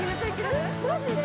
マジで？